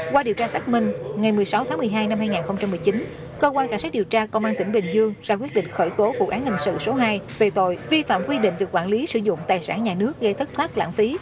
qua điều tra xác minh ngày một mươi sáu tháng một mươi hai năm hai nghìn một mươi chín cơ quan cảnh sát điều tra công an tỉnh bình dương ra quyết định khởi tố vụ án hình sự số hai về tội vi phạm quy định về quản lý sử dụng tài sản nhà nước gây thất thoát lãng phí